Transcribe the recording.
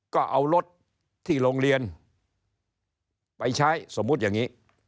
ก็เอารถที่โรงเรียนไปใช้สมมุติอย่างนี้